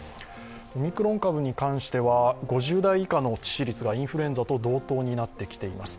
オミクロン株に関しては５０代の致死率がインフルエンザと同等になってきています。